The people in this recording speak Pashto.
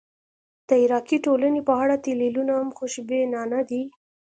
د عراقي ټولنې په اړه تحلیلونه هم خوشبینانه دي.